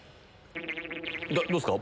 どうっすか？